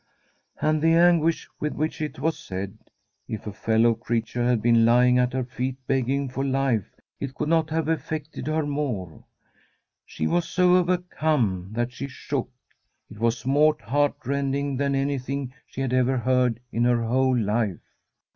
* And the anguish with which it was said I If a fellow creature had been lying at her feet beg fing for life, it could not have affected her more, he was so overcome that she sbook. It was more heart rending than anything she had ever heard in her whole life.